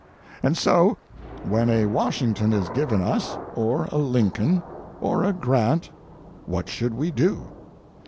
And so, when a Washington is given us, or a Lincoln, or a Grant, what should we do?